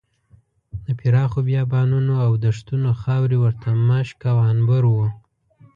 د پراخو بیابانونو او دښتونو خاورې ورته مشک او عنبر وو.